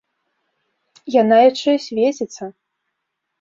Яна яшчэ і свеціцца!